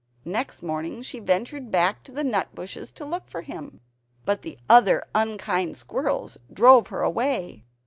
Next morning she ventured back to the nut bushes to look for him; but the other unkind squirrels drove her away.